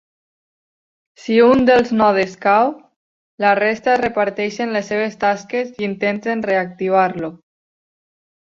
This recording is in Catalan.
Si un dels nodes cau, la resta es reparteixen les seves tasques i intenten reactivar-lo.